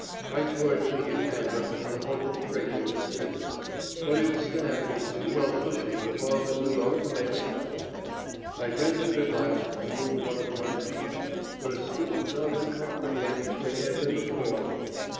I toyed with the decanter in the hope of breaking the stillness, but its stand was too well cushioned above and below to make a sound. I ventured at last to move one of my feet, but a strip of velvet carpet lay between it and the floor.